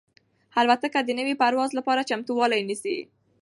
الوتکه د نوي پرواز لپاره چمتووالی نیسي.